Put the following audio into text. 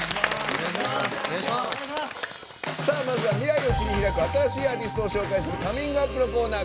まずは未来を切り開く新しいアーティストを紹介する「ＣｏｍｉｎｇＵｐ！」のコーナー。